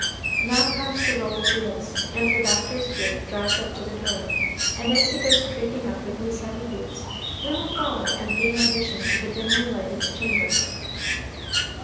Now comes the roll of wheels, and the Doctor's gig drives up to the door; and, as he goes creaking up with his heavy boots, we will follow and gain admission to the dimly lighted chamber.